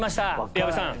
矢部さん